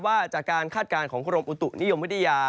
ว่าจากการคาดการณ์ของกรมอุตุนิยมวิทยา